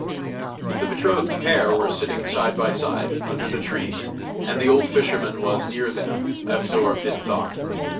The betrothed pair were sitting side by side under the trees, and the old fisherman was near them, absorbed in thought.